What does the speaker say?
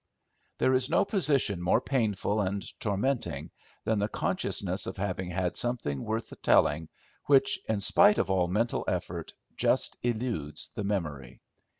There is no position more painful and tormenting than the consciousness of having had something worth the telling, which, in spite of all mental effort, just eludes the memory.